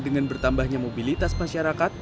dengan bertambahnya mobilitas masyarakat